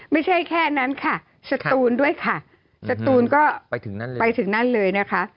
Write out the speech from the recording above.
ไม่ใช่แค่นั้นค่ะสตูนด้วยค่ะสตูนก็ไปถึงนั่นเลยนะคะ